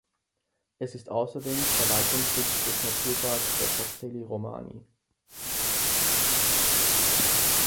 Es ist außerdem Verwaltungssitz des Naturparks der Castelli Romani.